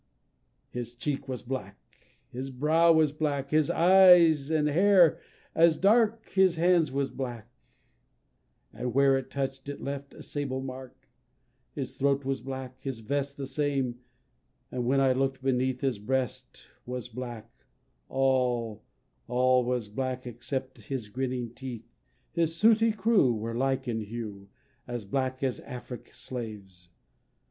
His cheek was black his brow was black his eyes and hair as dark; His hand was black, and where it touch'd, it left a sable mark; His throat was black, his vest the same, and when I look'd beneath, His breast was black all, all, was black, except his grinning teeth. His sooty crew were like in hue, as black as Afric slaves!